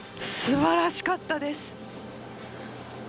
すばらしかったです。